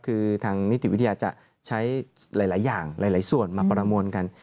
คือทางนิติวิทยาจะใช้หลายอย่างหลายส่วนมาประมวลกัน